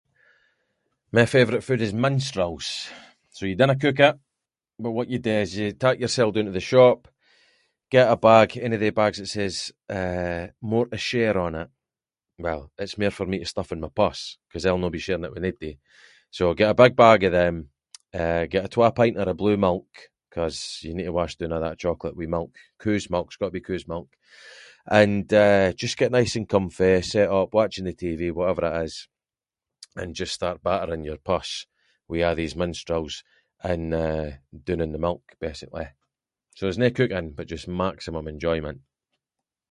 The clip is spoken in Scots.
My favourite food is Minstrels, so you dinna cook it, but what you do is you tak yourself doon to the shop, get a bag, any of they bags that says “more to share” on it, well, it’s mair for me to stuff in my pus, ‘cause I’ll no be sharing it with naebody. So I get a big bag of them, eh, get a twa pinter of blue milk, ‘cause you need to wash doon a’ that chocolate with milk, coo’s milk, it’s got to be coo’s milk, and, eh, just get nice and comfy, set up watching the TV, whatever it is, and just start battering your pus with a’ these Minstrels, and eh, dooning the milk basically. So, there’s no cooking, but just maximum enjoyment.